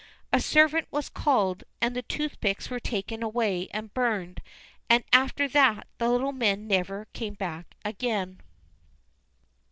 A servant was called, and the toothpicks were taken away and burned, and after that the little men never came back again.